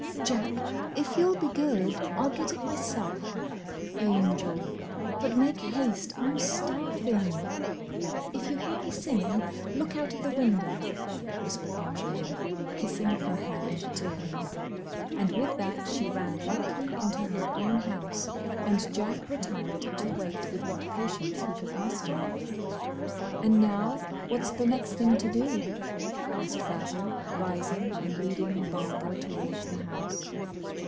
Jack! if you 'll be good, I 'll get it myself!" "Angel! But make haste! I'm starving!" "If you hear me singing, look out of the window," whispered Marjolaine, kissing her hand to him. And with that she ran lightly into her own house, and Jack retired to wait with what patience he could muster. "And now, what is the next thing to do?" asked Basil, rising and leading Barbara towards the house.